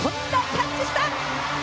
キャッチした！